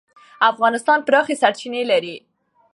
افغانستان پراخې سرچینې لري.